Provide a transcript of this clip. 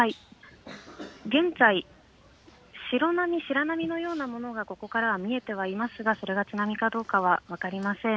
現在、白波のようなものがここからは見えていますがそれが津波かどうかは分かりません。